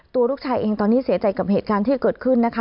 ตัวลูกชายเองตอนนี้เสียใจกับเหตุการณ์ที่เกิดขึ้นนะคะ